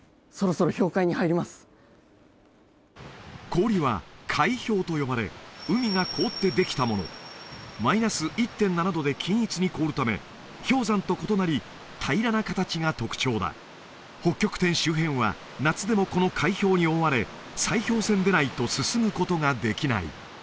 氷は海氷と呼ばれ海が凍ってできたものマイナス１．７度で均一に凍るため氷山と異なり平らな形が特徴だ北極点周辺は夏でもこの海氷に覆われ砕氷船でないと進むことができない